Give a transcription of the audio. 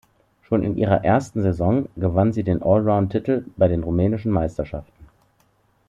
Schon in ihrer ersten Saison gewann sie den Allround-Titel bei den rumänischen Meisterschaften.